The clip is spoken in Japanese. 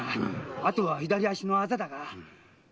あとは左足のアザだな。